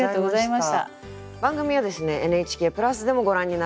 番組はですねＮＨＫプラスでもご覧になれます。